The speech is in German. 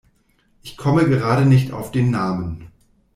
Ich komme gerade nicht auf den Namen.